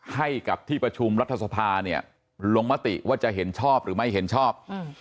ให้กับที่ประชุมรัฐสภาเนี่ยลงมติว่าจะเห็นชอบหรือไม่เห็นชอบ